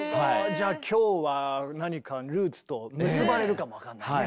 じゃあ今日は何かルーツと結ばれるかも分かんないね